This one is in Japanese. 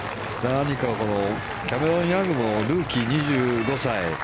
何かキャメロン・ヤングのルーキー、２５歳。